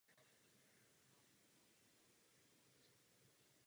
Druhým balíkem otázek je segmentace pracovního trhu.